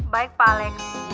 baik pak lex